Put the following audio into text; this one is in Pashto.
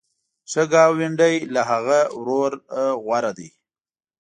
ښه ګاونډی له هغه ورور غوره دی.